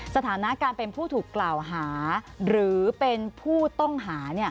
สถานะการเป็นผู้ถูกกล่าวหาหรือเป็นผู้ต้องหา